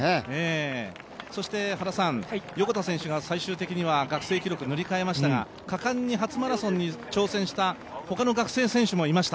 そして横田選手が最終的に学生記録を塗り替えましたが果敢に初マラソンに挑戦したほかの学生選手もいました。